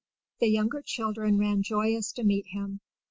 The younger children ran joyous to meet him.